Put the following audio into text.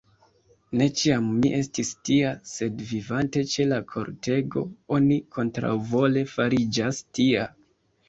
Ne ĉiam mi estis tia; sed, vivante ĉe la kortego, oni kontraŭvole fariĝas tia.